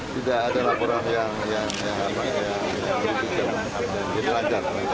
tidak ada laporan yang lancar